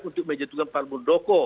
untuk menjatuhkan pak muldoko